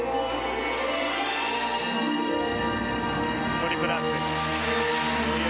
トリプルアクセル。